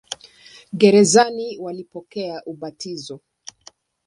Gerezani walipokea ubatizo.